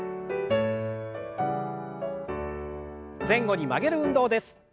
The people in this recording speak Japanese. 前後に曲げる運動です。